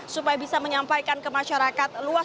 supaya bisa menyampaikan ke masyarakat luas